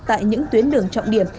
tại những tuyến đường trọng điểm